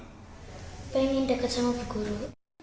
pengen dekat sama guru